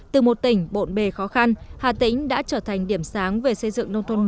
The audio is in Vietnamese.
từ một tỉnh bộn bề khó khăn hà tĩnh đã trở thành điểm sáng về xây dựng nông thôn mới